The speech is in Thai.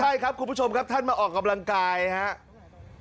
ใช่ครับคุณผู้ชมครับท่านมาออกกำลังกายครับ